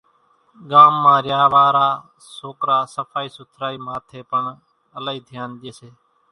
ڳام مان ريا وارا سوڪرا سڦائِي سُٿرائِي ماٿيَ پڻ الائِي ڌيانَ ڄيَ سي۔